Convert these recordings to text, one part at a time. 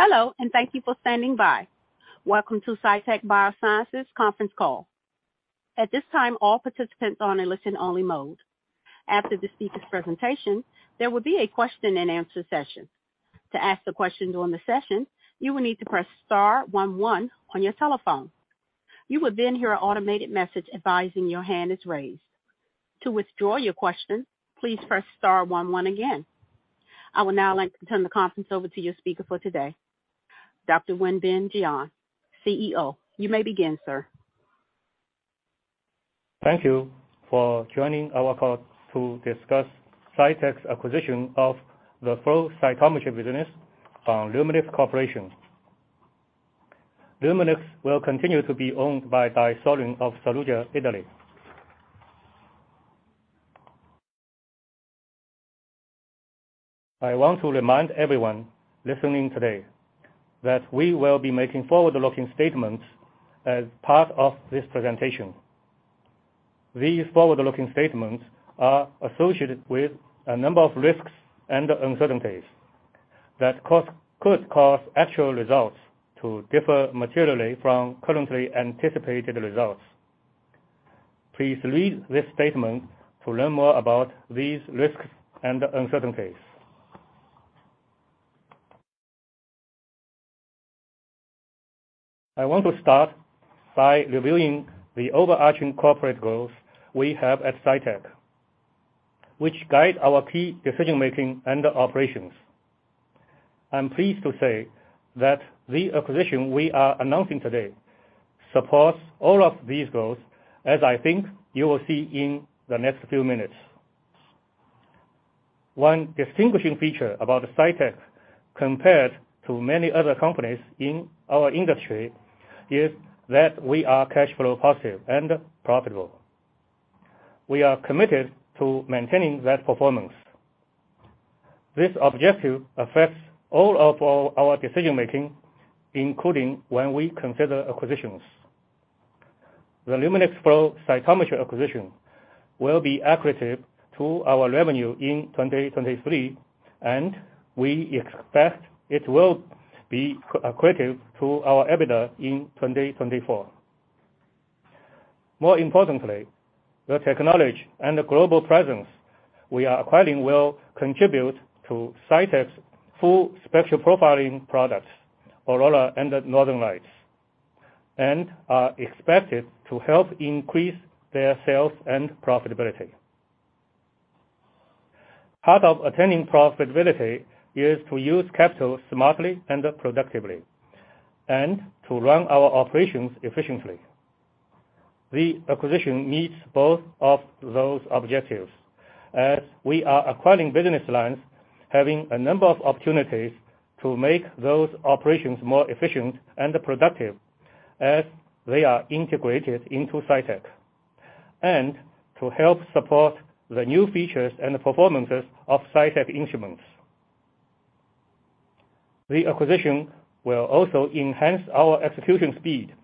Hello, thank you for standing by. Welcome to Cytek Biosciences conference call. At this time, all participants are in listen only mode. After the speaker's presentation, there will be a question and answer session. To ask the question during the session, you will need to press star one one on your telephone. You will then hear an automated message advising your hand is raised. To withdraw your question, please press star one one again. I would now like to turn the conference over to your speaker for today, Dr. Wenbin Jiang, CEO. You may begin, sir. Thank you for joining our call to discuss Cytek's acquisition of the flow cytometry business from Luminex Corporation. Luminex will continue to be owned by DiaSorin of Saluggia, Italy. I want to remind everyone listening today that we will be making forward-looking statements as part of this presentation. These forward-looking statements are associated with a number of risks and uncertainties that could cause actual results to differ materially from currently anticipated results. Please read this statement to learn more about these risks and uncertainties. I want to start by reviewing the overarching corporate goals we have at Cytek, which guide our key decision-making and operations. I'm pleased to say that the acquisition we are announcing today supports all of these goals, as I think you will see in the next few minutes. One distinguishing feature about Cytek compared to many other companies in our industry is that we are cash flow positive and profitable. We are committed to maintaining that performance. This objective affects all of our decision-making, including when we consider acquisitions. The Luminex flow cytometry acquisition will be accretive to our revenue in 2023, and we expect it will be accretive to our EBITDA in 2024. More importantly, the technology and the global presence we are acquiring will contribute to Cytek's Full Spectrum Profiling products, Aurora and Northern Lights, and are expected to help increase their sales and profitability. Part of attaining profitability is to use capital smartly and productively, and to run our operations efficiently. The acquisition meets both of those objectives as we are acquiring business lines, having a number of opportunities to make those operations more efficient and productive as they are integrated into Cytek. To help support the new features and performances of Cytek instruments. The acquisition will also enhance our execution speed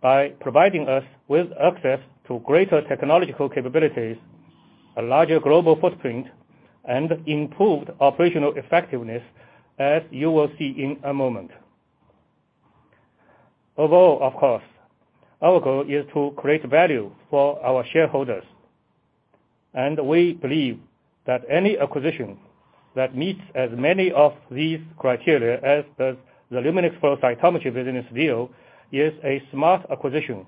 by providing us with access to greater technological capabilities, a larger global footprint, and improved operational effectiveness, as you will see in a moment. Overall, of course, our goal is to create value for our shareholders, and we believe that any acquisition that meets as many of these criteria as does the Luminex flow cytometry business deal is a smart acquisition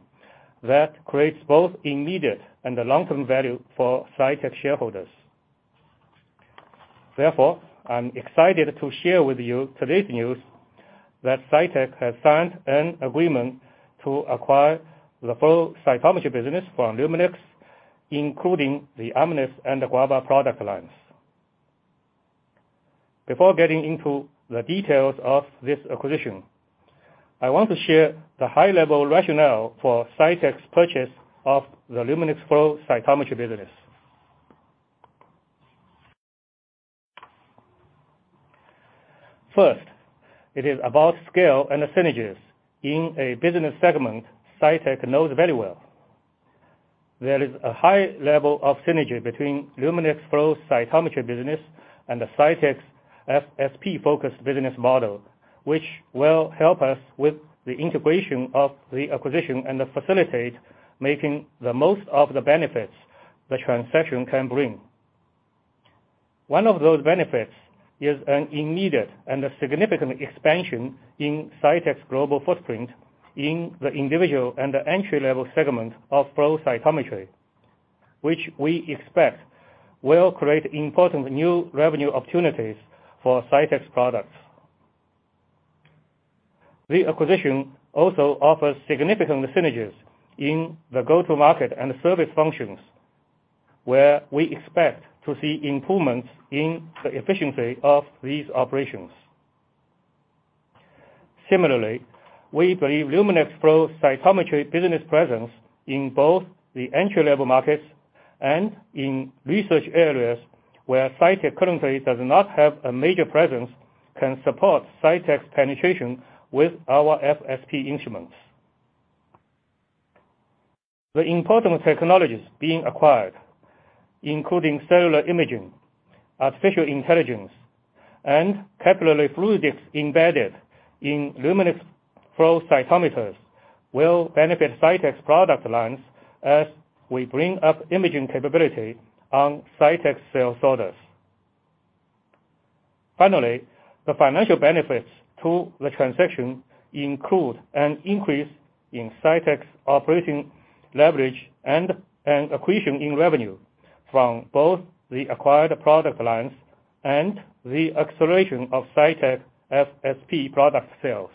that creates both immediate and long-term value for Cytek shareholders. I'm excited to share with you today's news that Cytek has signed an agreement to acquire the flow cytometry business from Luminex, including the Amnis and the Guava product lines. Before getting into the details of this acquisition, I want to share the high-level rationale for Cytek's purchase of the Luminex flow cytometry business. It is about scale and the synergies in a business segment Cytek knows very well. There is a high level of synergy between Luminex flow cytometry business and the Cytek's FSP-focused business model, which will help us with the integration of the acquisition and facilitate making the most of the benefits the transaction can bring. One of those benefits is an immediate and a significant expansion in Cytek's global footprint in the individual and the entry-level segment of flow cytometry, which we expect will create important new revenue opportunities for Cytek's products. The acquisition also offers significant synergies in the go-to-market and service functions, where we expect to see improvements in the efficiency of these operations. Similarly, we believe Luminex flow cytometry business presence in both the entry-level markets and in research areas where Cytek currently does not have a major presence can support Cytek's penetration with our FSP instruments. The important technologies being acquired, including cellular imaging, artificial intelligence, and microcapillary fluidics embedded in Luminex flow cytometers will benefit Cytek's product lines as we bring up imaging capability on Cytek cell sorters. Finally, the financial benefits to the transaction include an increase in Cytek's operating leverage and an accretion in revenue from both the acquired product lines and the acceleration of Cytek FSP product sales.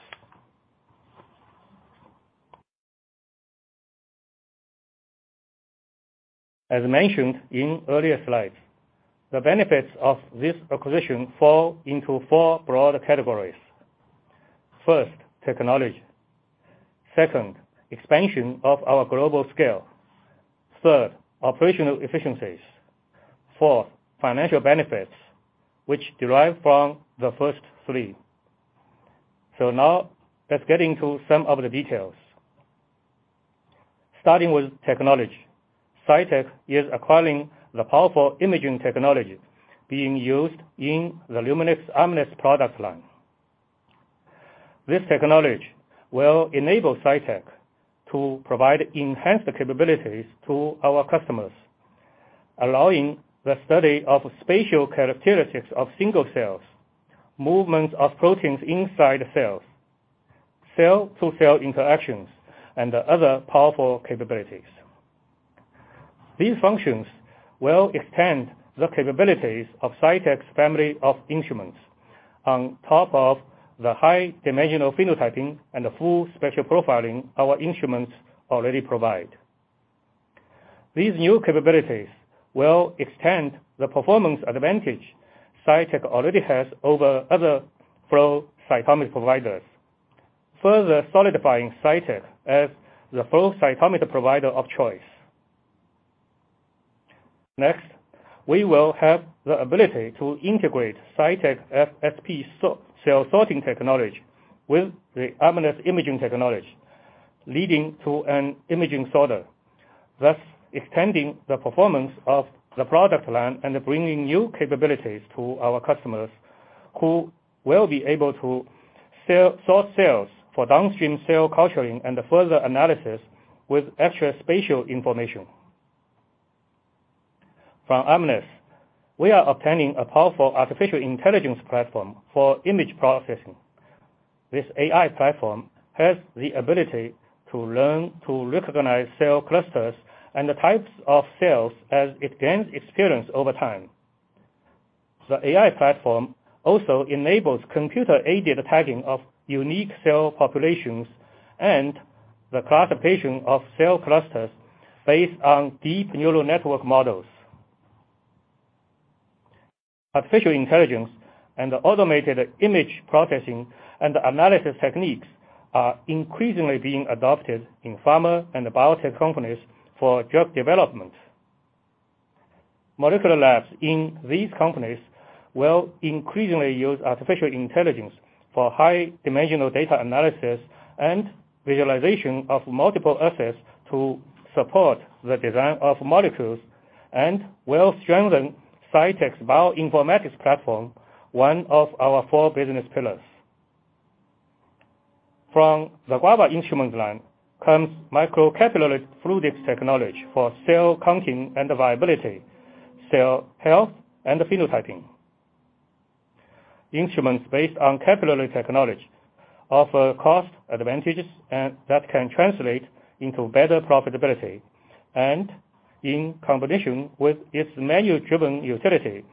As mentioned in earlier slides, the benefits of this acquisition fall into four broad categories. First, technology. Second, expansion of our global scale. Third, operational efficiencies. Fourth, financial benefits which derive from the first three. Now let's get into some of the details. Starting with technology, Cytek is acquiring the powerful imaging technology being used in the Luminex Amnis product line. This technology will enable Cytek to provide enhanced capabilities to our customers, allowing the study of spatial characteristics of single cells, movements of proteins inside cells, cell-to-cell interactions, and other powerful capabilities. These functions will extend the capabilities of Cytek's family of instruments on top of the high dimensional phenotyping and Full Spectrum Profiling our instruments already provide. These new capabilities will extend the performance advantage Cytek already has over other flow cytometry providers, further solidifying Cytek as the flow cytometry provider of choice. We will have the ability to integrate Cytek FSP cell sorting technology with the Amnis imaging technology leading to an imaging sorter, thus extending the performance of the product line and bringing new capabilities to our customers who will be able to sell source cells for downstream cell culturing and further analysis with extra spatial information. From Amnis, we are obtaining a powerful artificial intelligence platform for image processing. This AI platform has the ability to learn to recognize cell clusters and the types of cells as it gains experience over time. The AI platform also enables computer-aided tagging of unique cell populations and the classification of cell clusters based on deep neural network models. Artificial intelligence and automated image processing and analysis techniques are increasingly being adopted in pharma and biotech companies for drug development. Molecular labs in these companies will increasingly use artificial intelligence for high dimensional data analysis and visualization of multiple assets to support the design of molecules, and will strengthen Cytek's bioinformatics platform, one of our four business pillars. From the Guava instrument line comes microcapillary fluidics technology for cell counting and viability, cell health, and phenotyping. That can translate into better profitability. In combination with its manual-driven utility,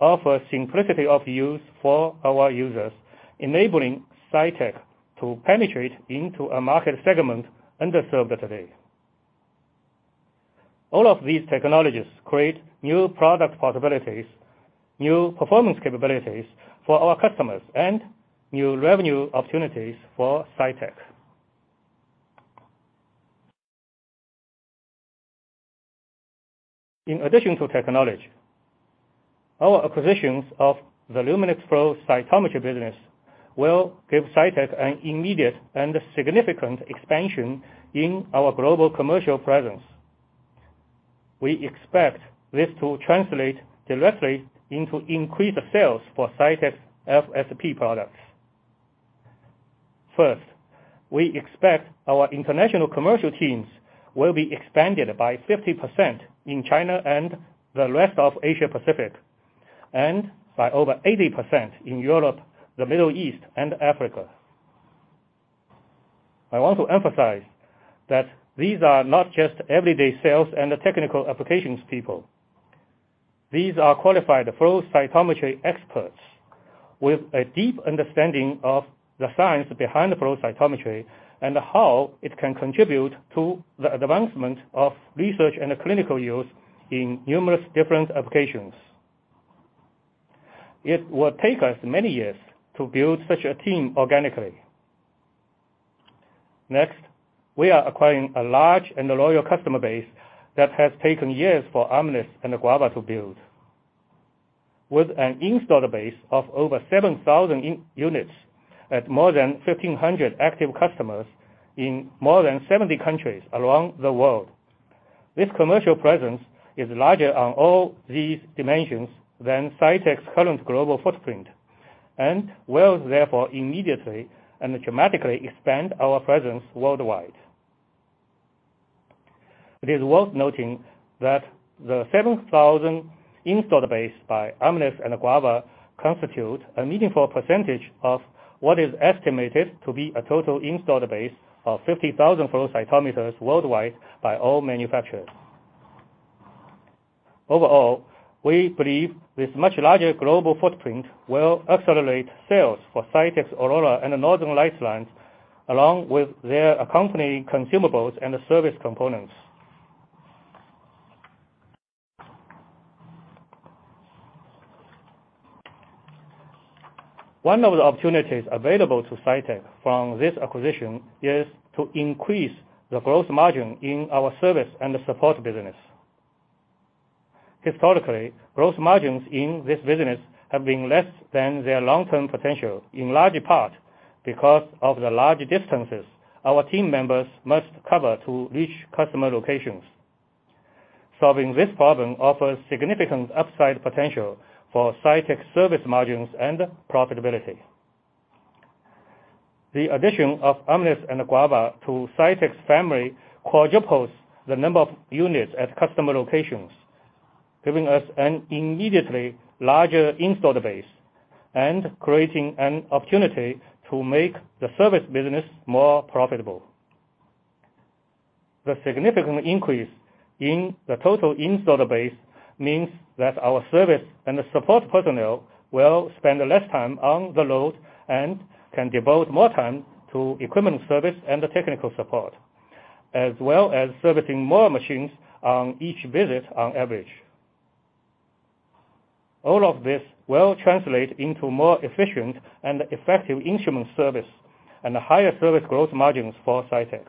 offer simplicity of use for our users, enabling Cytek to penetrate into a market segment underserved today. All of these technologies create new product possibilities, new performance capabilities for our customers, and new revenue opportunities for Cytek. In addition to technology, our acquisitions of the Luminex flow cytometry business will give Cytek an immediate and significant expansion in our global commercial presence. We expect this to translate directly into increased sales for Cytek's FSP products. First, we expect our international commercial teams will be expanded by 50% in China and the rest of Asia-Pacific, and by over 80% in Europe, the Middle East, and Africa. I want to emphasize that these are not just everyday sales and the technical applications people. These are qualified flow cytometry experts with a deep understanding of the science behind the flow cytometry and how it can contribute to the advancement of research and clinical use in numerous different applications. It will take us many years to build such a team organically. Next, we are acquiring a large and loyal customer base that has taken years for Luminex and Guava to build. With an installed base of over 7,000 in-units at more than 1,500 active customers in more than 70 countries around the world. This commercial presence is larger on all these dimensions than Cytek's current global footprint, and will therefore immediately and dramatically expand our presence worldwide. It is worth noting that the 7,000 installed base by Amnis and Guava constitute a meaningful percentage of what is estimated to be a total installed base of 50,000 flow cytometers worldwide by all manufacturers. Overall, we believe this much larger global footprint will accelerate sales for Cytek's Aurora and Northern Lights lines, along with their accompanying consumables and service components. One of the opportunities available to Cytek from this acquisition is to increase the gross margin in our service and support business. Historically, gross margins in this business have been less than their long-term potential, in large part because of the large distances our team members must cover to reach customer locations. Solving this problem offers significant upside potential for Cytek's service margins and profitability. The addition of Amnis and Guava to Cytek's family quadruples the number of units at customer locations, giving us an immediately larger installed base and creating an opportunity to make the service business more profitable. The significant increase in the total installed base means that our service and support personnel will spend less time on the road and can devote more time to equipment service and technical support, as well as servicing more machines on each visit on average. All of this will translate into more efficient and effective instrument service and higher service growth margins for Cytek.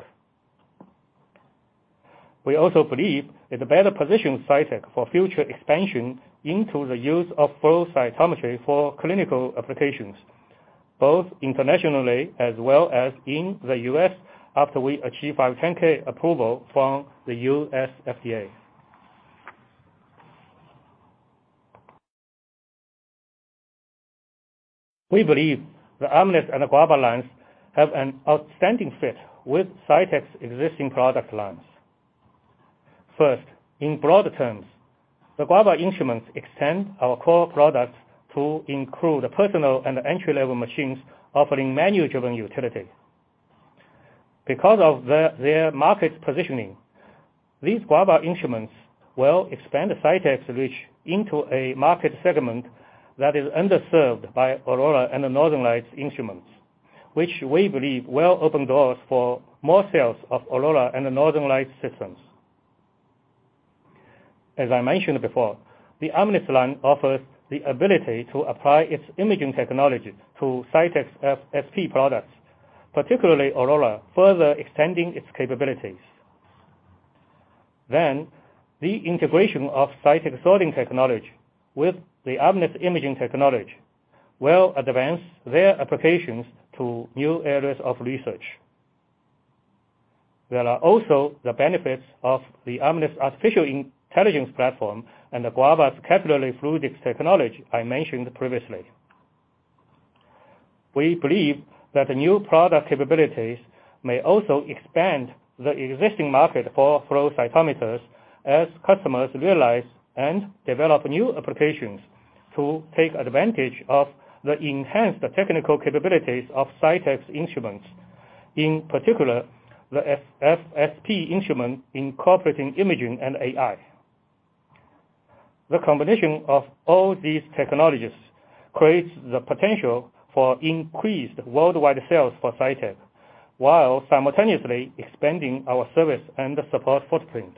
We also believe it better positions Cytek for future expansion into the use of flow cytometry for clinical applications, both internationally as well as in the U.S., after we achieve our 510(k) approval from the US FDA. We believe the Amnis and Guava lines have an outstanding fit with Cytek's existing product lines. First, in broad terms, the Guava instruments extend our core products to include personal and entry-level machines offering manual-driven utility. Because of their market positioning, these Guava instruments will expand Cytek's reach into a market segment that is underserved by Aurora and the Northern Lights instruments, which we believe will open doors for more sales of Aurora and the Northern Lights systems. As I mentioned before, the Amnis line offers the ability to apply its imaging technology to Cytek's FSP products, particularly Aurora, further extending its capabilities. The integration of Cytek's sorting technology with the Amnis imaging technology will advance their applications to new areas of research. There are also the benefits of the Amnis artificial intelligence platform and the Guava's microcapillary fluidics technology I mentioned previously. We believe that the new product capabilities may also expand the existing market for flow cytometers as customers realize and develop new applications to take advantage of the enhanced technical capabilities of Cytek's instruments, in particular, the FSP instrument incorporating imaging and AI. The combination of all these technologies creates the potential for increased worldwide sales for Cytek, while simultaneously expanding our service and support footprint.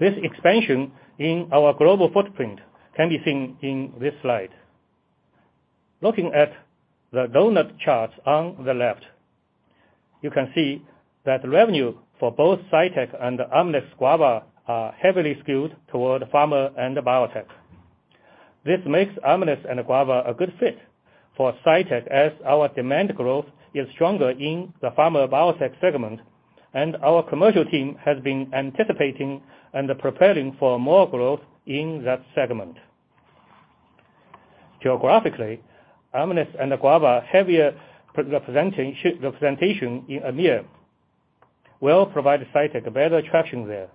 This expansion in our global footprint can be seen in this slide. Looking at the donut charts on the left, you can see that revenue for both Cytek and Amnis Guava are heavily skewed toward pharma and biotech. This makes Amnis and Guava a good fit for Cytek as our demand growth is stronger in the pharma biotech segment, and our commercial team has been anticipating and preparing for more growth in that segment. Geographically, Amnis and Guava heavier representation in EMEA, will provide Cytek a better traction there,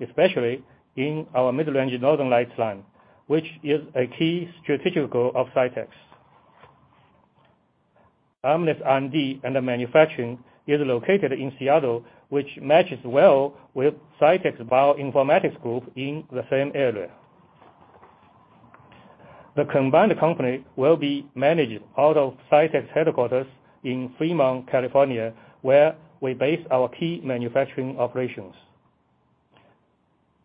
especially in our middle-range Northern Lights line, which is a key strategic goal of Cytek's. Amnis R&D and manufacturing is located in Seattle, which matches well with Cytek's bioinformatics group in the same area. The combined company will be managed out of Cytek's headquarters in Fremont, California, where we base our key manufacturing operations.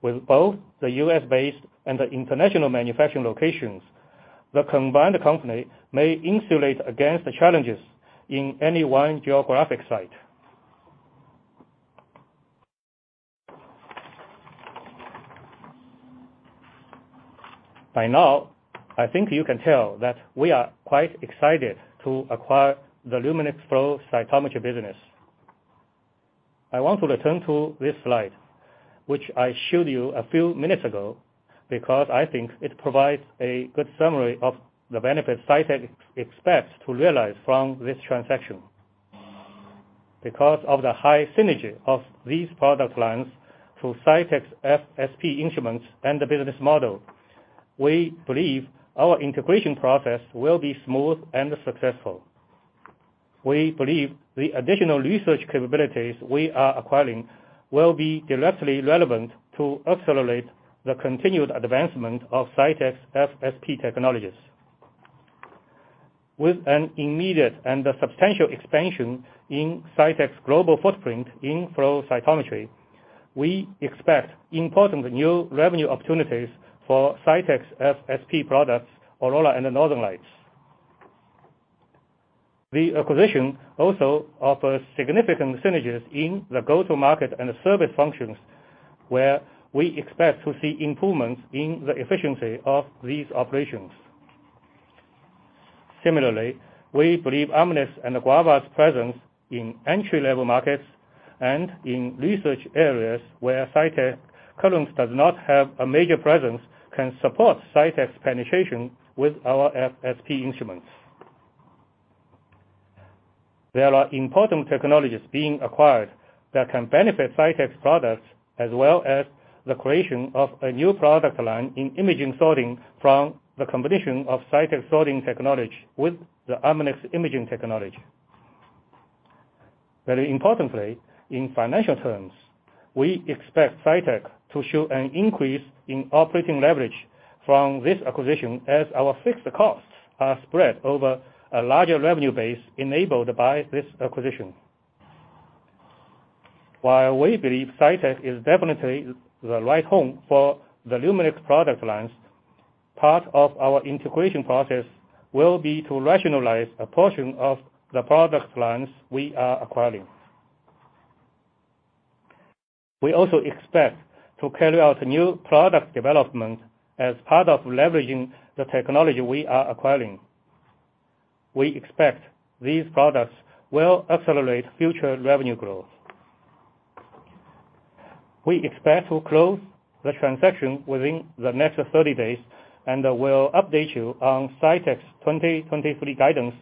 With both the US-based and the international manufacturing locations, the combined company may insulate against the challenges in any one geographic site. By now, I think you can tell that we are quite excited to acquire the Luminex flow cytometry business. I want to return to this slide, which I showed you a few minutes ago, because I think it provides a good summary of the benefits Cytek expects to realize from this transaction. Because of the high synergy of these product lines to Cytek's FSP instruments and the business model, we believe our integration process will be smooth and successful. We believe the additional research capabilities we are acquiring will be directly relevant to accelerate the continued advancement of Cytek's FSP technologies. With an immediate and a substantial expansion in Cytek's global footprint in flow cytometry, we expect important new revenue opportunities for Cytek's FSP products, Aurora and the Northern Lights. The acquisition also offers significant synergies in the go-to-market and service functions, where we expect to see improvements in the efficiency of these operations. Similarly, we believe Amnis and Guava's presence in entry-level markets and in research areas where Cytek currently does not have a major presence, can support Cytek's penetration with our FSP instruments. There are important technologies being acquired that can benefit Cytek's products, as well as the creation of a new product line in imaging sorting from the combination of Cytek sorting technology with the Amnis imaging technology. Very importantly, in financial terms, we expect Cytek to show an increase in operating leverage from this acquisition as our fixed costs are spread over a larger revenue base enabled by this acquisition. While we believe Cytek is definitely the right home for the Luminex product lines, part of our integration process will be to rationalize a portion of the product lines we are acquiring. We also expect to carry out new product development as part of leveraging the technology we are acquiring. We expect these products will accelerate future revenue growth. We expect to close the transaction within the next 30 days. We'll update you on Cytek's 2023 guidance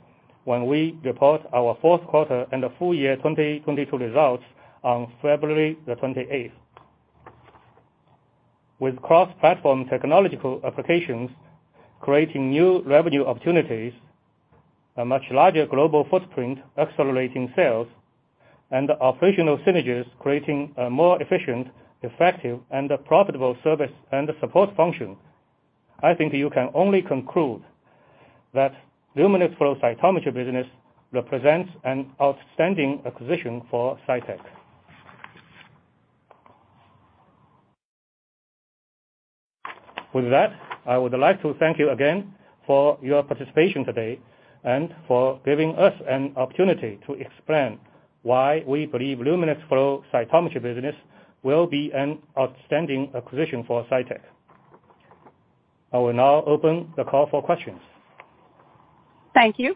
when we report our fourth quarter and the full year 2022 results on February 28th. With cross-platform technological applications creating new revenue opportunities, a much larger global footprint accelerating sales, and operational synergies creating a more efficient, effective and a profitable service and support function, I think you can only conclude that Luminex flow cytometry business represents an outstanding acquisition for Cytek. With that, I would like to thank you again for your participation today and for giving us an opportunity to explain why we believe Luminex flow cytometry business will be an outstanding acquisition for Cytek. I will now open the call for questions. Thank you.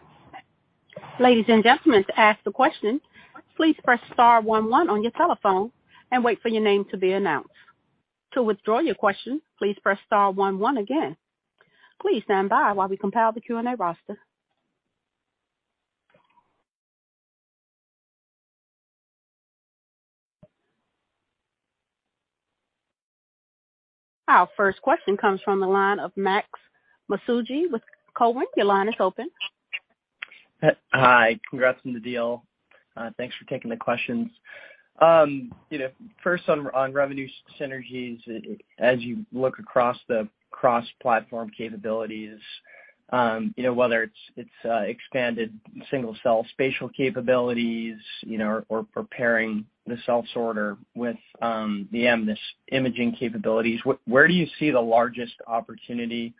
Ladies and gentlemen, to ask the question, please press star one one on your telephone and wait for your name to be announced. To withdraw your question, please press star one one again. Please stand by while we compile the Q&A roster. Our first question comes from the line of Max Masucci with Cowen. Your line is open. Hi. Congrats on the deal. Thanks for taking the questions. You know, first on revenue synergies. As you look across the cross-platform capabilities, you know, whether it's expanded single cell spatial capabilities, you know, or preparing the cell sorter with the Amnis imaging capabilities, where do you see the largest opportunity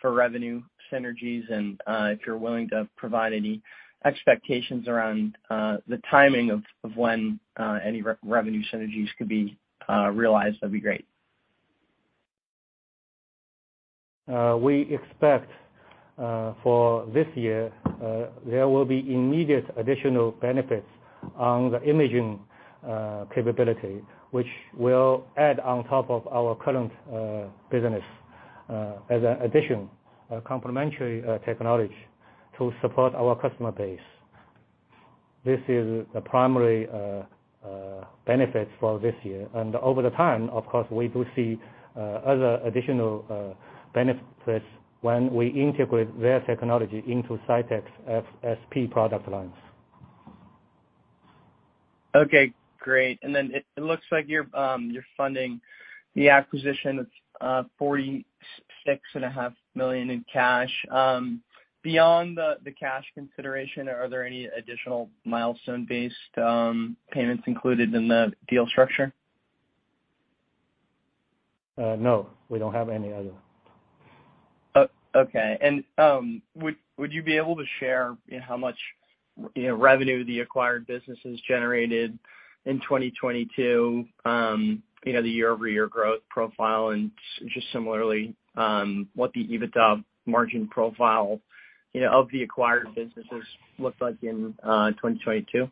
for revenue synergies? If you're willing to provide any expectations around the timing of when any revenue synergies could be realized, that'd be great. We expect for this year, there will be immediate additional benefits on the imaging capability, which will add on top of our current business as an addition, a complementary technology to support our customer base. This is the primary benefits for this year. Over the time, of course, we do see other additional benefits when we integrate their technology into Cytek's FSP product lines. Okay, great. It looks like you're funding the acquisition of, $46 and a half million in cash. Beyond the cash consideration, are there any additional milestone-based payments included in the deal structure? No, we don't have any other. Okay. Would you be able to share how much you know, revenue the acquired businesses generated in 2022, you know, the year-over-year growth profile and just similarly, what the EBITDA margin profile, you know, of the acquired businesses looked like in 2022?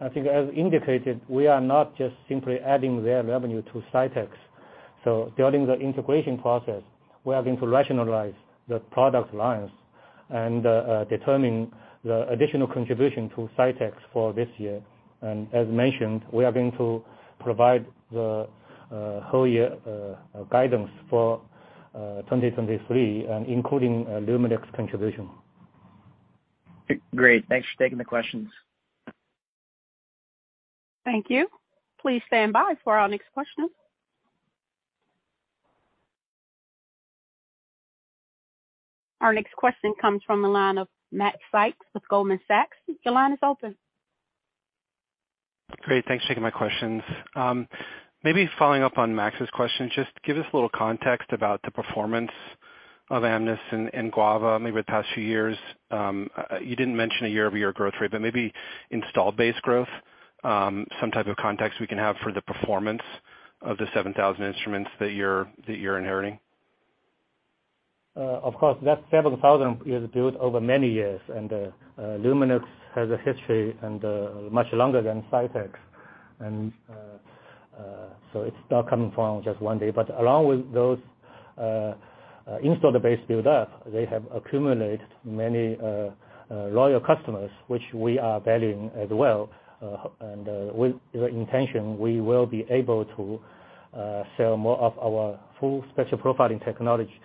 I think as indicated, we are not just simply adding their revenue to Cytek. During the integration process, we are going to rationalize the product lines and determine the additional contribution to Cytek for this year. As mentioned, we are going to provide the whole year guidance for 2023, including Luminex contribution. Great. Thanks for taking the questions. Thank you. Please stand by for our next question. Our next question comes from the line of Matt Sykes with Goldman Sachs. Your line is open. Great. Thanks for taking my questions. Maybe following up on Max's question, just give us a little context about the performance of Amnis and Guava maybe the past few years. You didn't mention a year-over-year growth rate, but maybe installed base growth, some type of context we can have for the performance of the 7,000 instruments that you're inheriting. Of course, that 7,000 is built over many years, Luminex has a history much longer than Cytek. It's not coming from just one day. Along with those installed base build-up, they have accumulated many loyal customers, which we are valuing as well. With the intention, we will be able to sell more of our Full Spectrum Profiling technology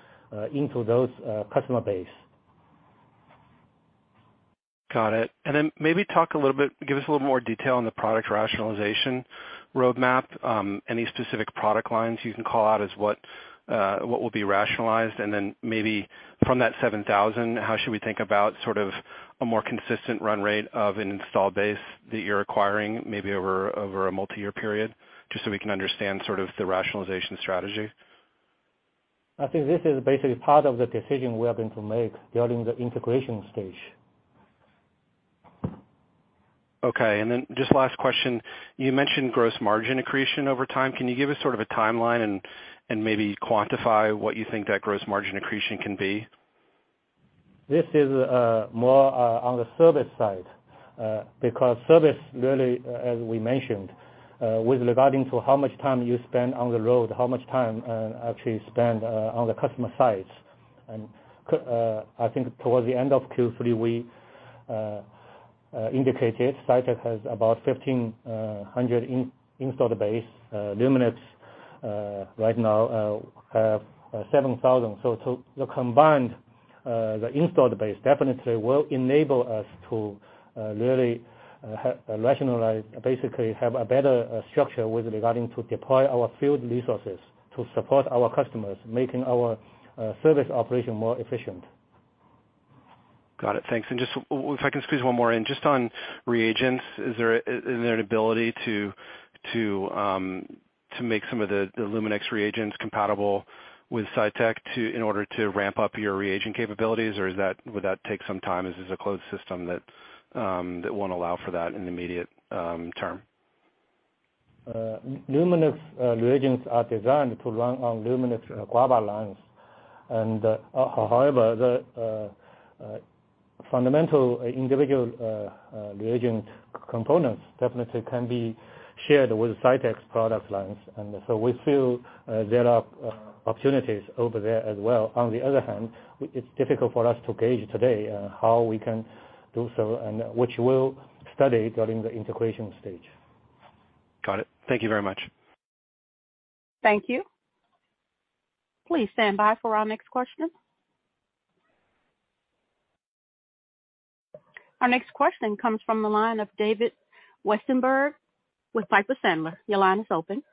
into those customer base. Got it. Maybe talk a little bit, give us a little more detail on the product rationalization roadmap, any specific product lines you can call out as what will be rationalized? And then maybe from that 7,000, how should we think about sort of a more consistent run rate of an installed base that you're acquiring maybe over a multi-year period, just so we can understand sort of the rationalization strategy. I think this is basically part of the decision we are going to make during the integration stage. Okay. Just last question, you mentioned gross margin accretion over time. Can you give us sort of a timeline and maybe quantify what you think that gross margin accretion can be? This is more on the service side, because service really, as we mentioned, with regarding to how much time you spend on the road, how much time actually spend on the customer site. I think towards the end of Q3, we indicated Cytek has about 1,500 installed base. Luminex right now have 7,000. The combined installed base definitely will enable us to really rationalize, basically have a better structure with regarding to deploy our field resources to support our customers, making our service operation more efficient. Got it. Thanks. Just if I can squeeze one more in, just on reagents, is there an ability to make some of the Luminex reagents compatible with Cytek to, in order to ramp up your reagent capabilities? Or is that, would that take some time? Is this a closed system that won't allow for that in the immediate term? Luminex reagents are designed to run on Luminex Guava lines. However, the fundamental individual reagent components definitely can be shared with Cytek product lines. So we feel there are opportunities over there as well. On the other hand, it's difficult for us to gauge today, how we can do so and which we'll study during the integration stage. Got it. Thank you very much. Thank you. Please stand by for our next question. Our next question comes from the line of David Westenberg with Piper Sandler. Your line is open.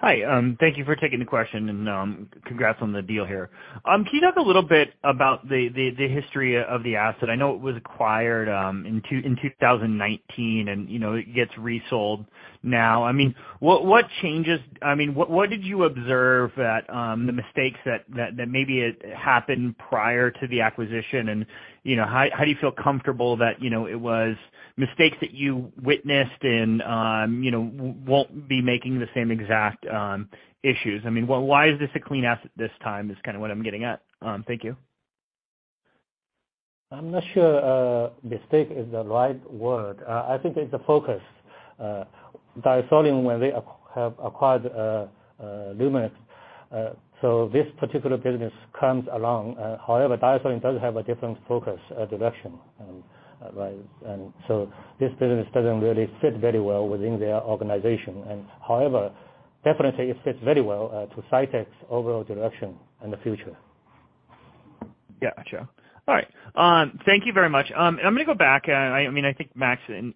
Hi. Thank you for taking the question and congrats on the deal here. Can you talk a little bit about the history of the asset? I know it was acquired in 2019 and, you know, it gets resold now. I mean, what changes... I mean, what did you observe that the mistakes that maybe it happened prior to the acquisition? You know, how do you feel comfortable that, you know, it was mistakes that you witnessed and, you know, won't be making the same exact issues? I mean, why is this a clean asset this time, is kind of what I'm getting at. Thank you. I'm not sure mistake is the right word. I think it's a focus. DiaSorin, when they have acquired Luminex, so this particular business comes along. However, DiaSorin does have a different focus, direction, right? This business doesn't really fit very well within their organization. However, definitely it fits very well to Cytek overall direction in the future. Yeah, gotcha. All right. Thank you very much. I'm gonna go back. I mean, I think Max Masucci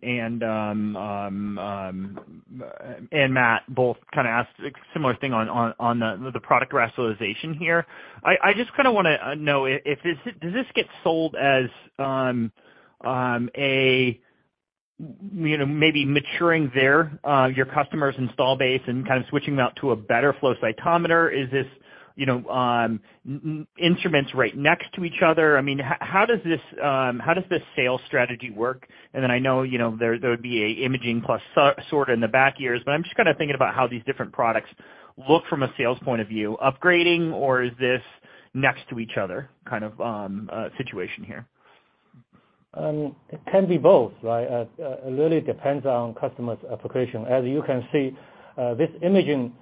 and Matt Sykes both kinda asked a similar thing on the product rationalization here. I just kinda wanna know, does this get sold as, you know, maybe maturing their customer's install base and kind of switching them out to a better flow cytometer? Is this, you know, instruments right next to each other? I mean, how does this how does this sales strategy work? I know, you know, there would be a imaging sorter in the back years, but I'm just kinda thinking about how these different products look from a sales point of view. Upgrading, or is this next to each other kind of, situation here? It can be both, right? It really depends on customer's application. As you can see, this imaging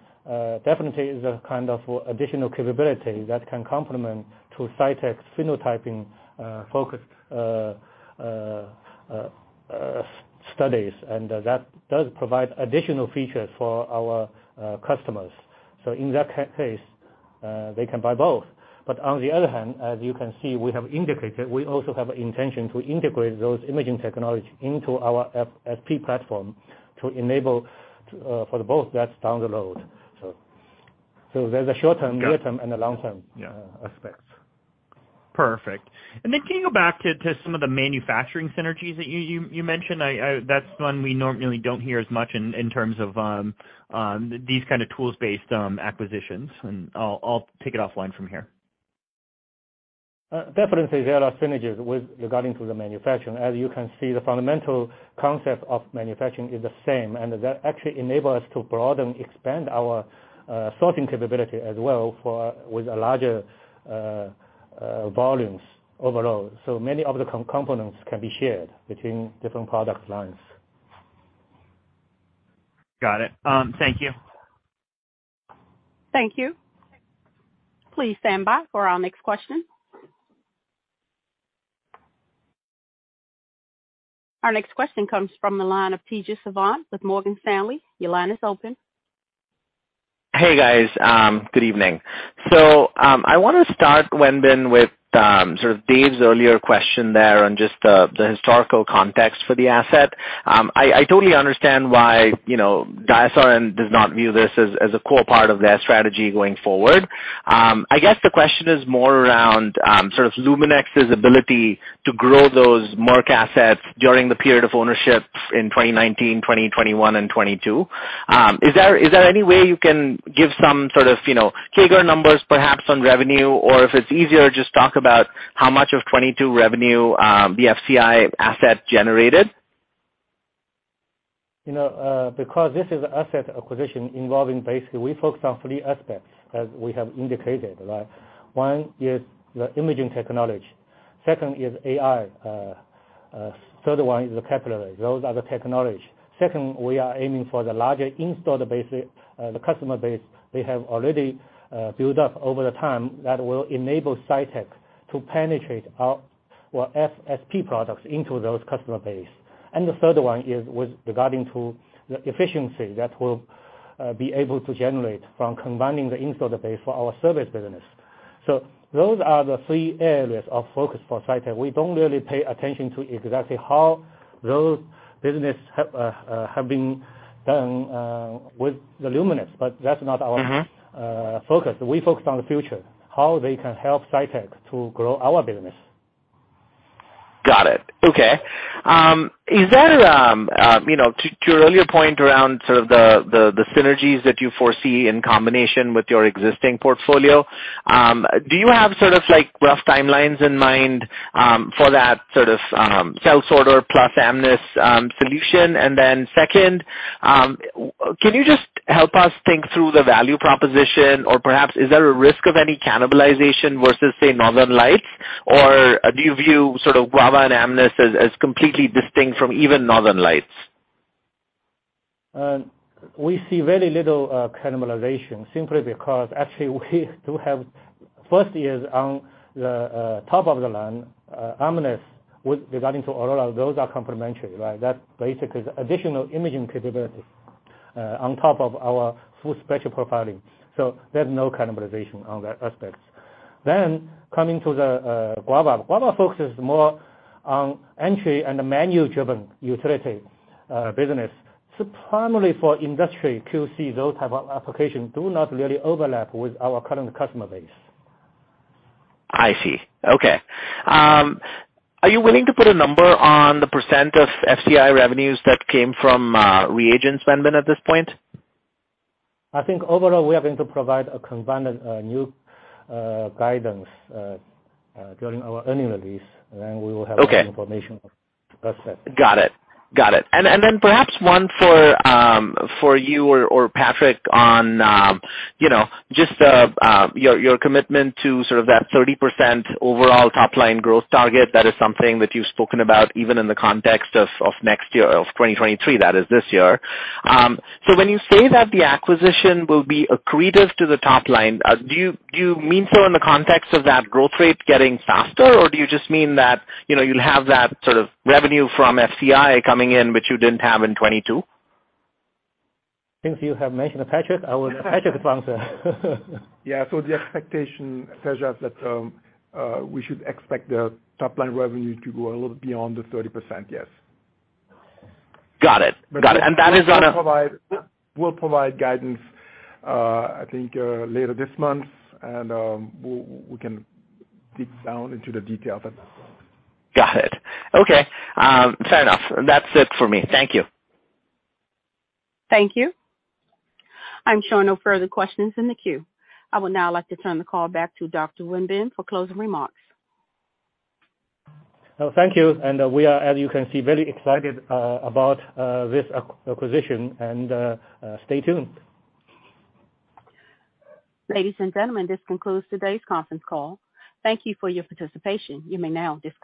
definitely is a kind of additional capability that can complement to Cytek's phenotyping focused studies. And that does provide additional features for our customers. So in that case, they can buy both. On the other hand, as you can see, we have indicated we also have intention to integrate those imaging technology into our FSP platform to enable for the both that's down the road. So there's a short-term- Got it. Near-term and the long-term Yeah. Aspects. Perfect. Can you go back to some of the manufacturing synergies that you mentioned? That's one we normally don't hear as much in terms of these kind of tools-based acquisitions. I'll take it offline from here. Definitely there are synergies with regarding to the manufacturing. As you can see, the fundamental concept of manufacturing is the same. That actually enable us to broaden, expand our sorting capability as well for, with a larger volumes overall. Many of the components can be shared between different product lines. Got it. Thank you. Thank you. Please stand by for our next question. Our next question comes from the line of Tejas Savant with Morgan Stanley. Your line is open. Hey, guys. good evening. I wanna start, Wenbin, with, sort of David earlier question there on just the historical context for the asset. I totally understand why, you know, DiaSorin does not view this as a core part of their strategy going forward. I guess the question is more around, sort of Luminex's ability to grow those Merck assets during the period of ownership in 2019, 2020, 2021, and 2022. Is there any way you can give some sort of, you know, CAGR numbers perhaps on revenue? Or if it's easier, just talk about how much of 2022 revenue, the FCI asset generated? You know, because this is asset acquisition involving basically we focus on three aspects, as we have indicated, right? One is the imaging technology. Second is AI. Third one is the capillary. Those are the technology. Second, we are aiming for the larger installed base, the customer base they have already built up over the time. That will enable Cytek to penetrate our, well, FSP products into those customer base. The third one is with regarding to the efficiency that we'll be able to generate from combining the install base for our service business. Those are the three areas of focus for Cytek. We don't really pay attention to exactly how those business have been done with the Luminex, but that's not our- Mm-hmm. Focus. We focus on the future, how they can help Cytek to grow our business. Got it. Okay. Is there, you know, to your earlier point around sort of the synergies that you foresee in combination with your existing portfolio, do you have sort of like rough timelines in mind for that sort of cell sorter plus Amnis solution? Second, can you just help us think through the value proposition or perhaps is there a risk of any cannibalization versus, say, Northern Lights? Or do you view sort of Guava and Amnis as completely distinct from even Northern Lights? We see very little cannibalization simply because actually we do have first is on the top of the line Amnis with regarding to Aurora, those are complementary, right? That's basically additional imaging capability on top of our Full Spectrum Profiling. There's no cannibalization on that aspects. Coming to the Guava. Guava focuses more on entry and menu-driven utility business. Primarily for industry QC, those type of applications do not really overlap with our current customer base. I see. Okay. Are you willing to put a number on the percentage of FCI revenues that came from reagent spend then at this point? I think overall we are going to provide a combined, new guidance during our earning release. Okay. More information at that time. Got it. Then perhaps one for you or Patrik on, you know, just your commitment to sort of that 30% overall top-line growth target. That is something that you've spoken about even in the context of next year, of 2023, that is this year. When you say that the acquisition will be accretive to the top line, do you mean so in the context of that growth rate getting faster? Or do you just mean that, you know, you'll have that sort of revenue from FCI coming in which you didn't have in 2022? Since you have mentioned Patrik, I will let Patrik answer. Yeah. The expectation, Tejas, that we should expect the top-line revenue to grow a little beyond the 30%, yes. Got it. That is on. We'll provide guidance, I think later this month. We can dig down into the detail then as well. Got it. Okay. Fair enough. That's it for me. Thank you. Thank you. I'm showing no further questions in the queue. I would now like to turn the call back to Dr. Wenbin Jiang for closing remarks. Oh, thank you. We are, as you can see, very excited about this acquisition, and stay tuned. Ladies and gentlemen, this concludes today's conference call. Thank you for your participation. You may now disconnect.